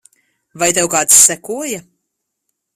Vai tev kāds sekoja?